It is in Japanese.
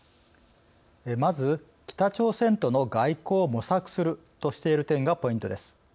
まず北朝鮮との外交を模索するとしている点がポイントです。